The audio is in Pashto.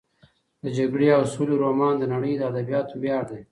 د جګړې او سولې رومان د نړۍ د ادبیاتو ویاړ دی.